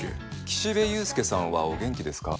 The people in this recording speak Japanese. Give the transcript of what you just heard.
岸辺勇介さんはお元気ですか？